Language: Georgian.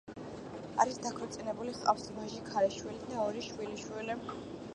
არის დაქორწინებული, ჰყავს ვაჟი, ქალიშვილი და ორი შვილიშვილი.